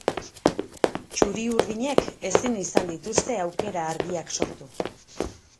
Txuri-urdinek ezin izan dituzte aukera argiak sortu.